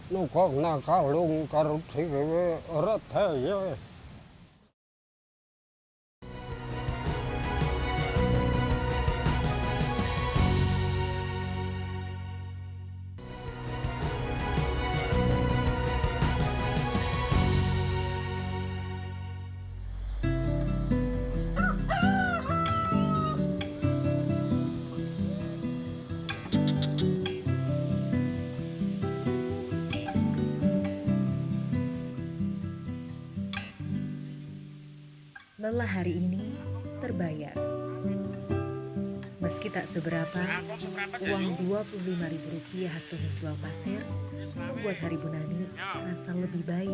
nukonakalung karut siwe eret heye